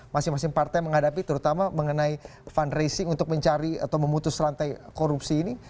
masing masing partai menghadapi terutama mengenai fundraising untuk mencari atau memutus rantai korupsi ini